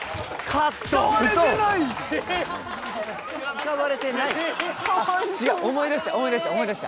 ・使われてない？